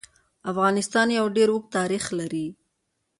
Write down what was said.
افغانستان يو ډير اوږد تاريخ لري.